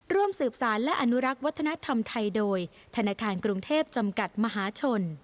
ร่วมสืบสารและอนุรักษ์วัฒนธรรมไทยโดยธนาคารกรุงเทพจำกัดมหาชน